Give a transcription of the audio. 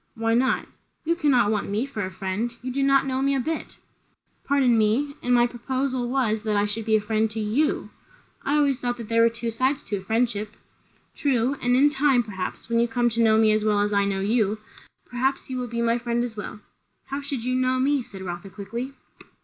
"Why not?" "You cannot want me for a friend. You do not know me a bit." "Pardon me. And my proposal was, that I should be a friend to you." "I always thought there were two sides to a friendship." "True; and in time, perhaps, when you come to know me as well as I know you, perhaps you will be my friend as well." "How should you know me?" said Rotha quickly.